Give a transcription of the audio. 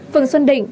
phường xuân đình